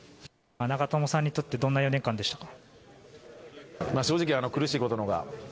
長友さんにとってどんな４年間でしたか。